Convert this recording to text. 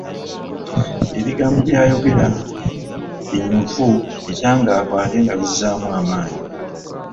Ebigambo by'ayogera binyuvu, bitangaavu ate nga bizzaamu amaanyi.